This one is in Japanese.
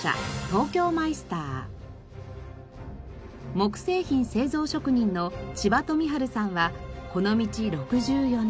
木製品製造職人の千葉富治さんはこの道６４年。